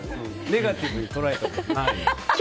ネガティブに捉えたことない。